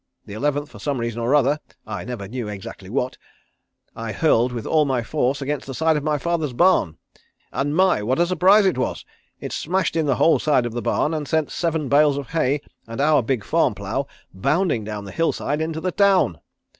The eleventh for some reason or other, I never knew exactly what, I hurled with all my force against the side of my father's barn, and my, what a surprise it was! It smashed in the whole side of the barn and sent seven bales of hay, and our big farm plough bounding down the hillside into the town.